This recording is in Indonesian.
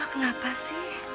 bapak kenapa sih